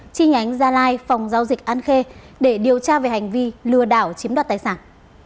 chi nhánh gia lai phòng giao dịch an khê để điều tra về hành vi lừa đảo chiếm đoạt tài sản